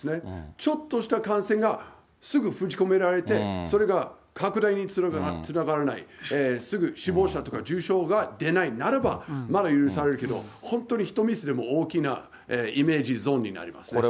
ちょっとした感染がすぐ封じ込められて、それが拡大につながらない、すぐ死亡者とか重症者が出ないならば、まだ許されるけど、本当に１ミスでも、大きなイメージゾーンになりますね。